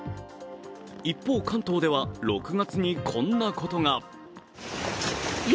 一方、関東では６月にこんなことが。